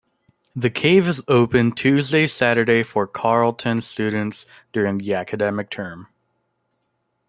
The Cave is open Tuesday-Saturday for Carleton students during the academic term.